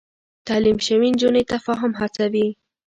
تعليم شوې نجونې تفاهم هڅوي.